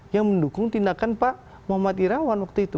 yang mendukung tindakan pak muhammad irawan waktu itu